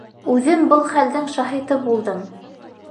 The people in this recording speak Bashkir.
Үҙем был хәлдең шаһиты булдым.